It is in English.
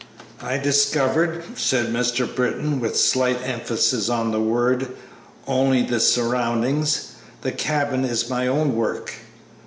"I discovered," said Mr. Britton, with slight emphasis on the word, "only the 'surroundings.' The cabin is my own work."